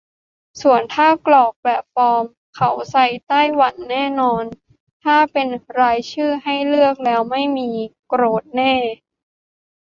ส่วนถ้ากรอกแบบฟอร์ม เขาใส่ไต้หวันแน่นอน - ถ้าเป็นรายชื่อให้เลือก แล้วไม่มี โกรธแน่